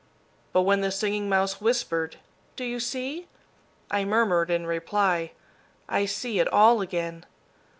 But when the Singing Mouse whispered, "Do you see?" I murmured in reply, "I see it all again!"